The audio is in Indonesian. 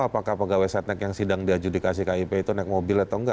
apakah pegawai setnek yang sidang di adjudikasi kip itu naik mobil atau nggak